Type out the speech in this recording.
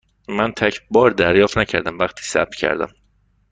من تگ بار دریافت نکردم وقتی ثبت کردم.